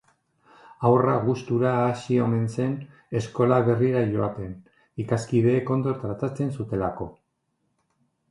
Haurra gustura hasi omen zen eskola berrira joaten, ikaskideek ondo tratatzen zutelako.